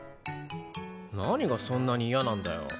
何がそんなに嫌なんだよ。